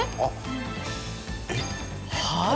はい！